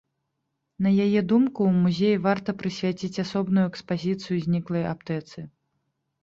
На яе думку, у музеі варта прысвяціць асобную экспазіцыю зніклай аптэцы.